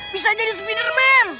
bisa jadi spiderman